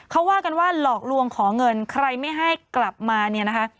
เขาว่ากันว่าหลอกลวงขอเงินใครไม่ให้กลับมาเนี่ยนะคะ